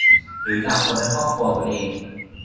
หรือจากคนในครอบครัวตัวเอง